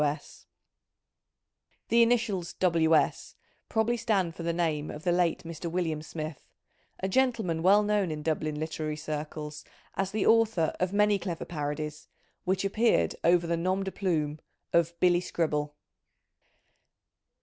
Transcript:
W. S. The initials " W. S.," probably stand for the name of the late Mr. William Smith, a gentleman well known in Dublin literary circles, as the author of many clever parodies. which appeared over the nom de plume of " Billy Scribble.